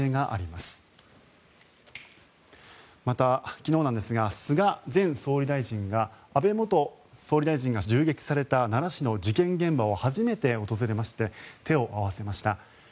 また、昨日なんですが菅前総理大臣が安倍元総理大臣が銃撃された奈良市の事件現場を初めて訪れまして手を合わせました。